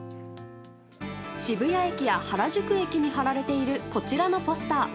渋谷駅や原宿駅に貼られているこちらのポスター。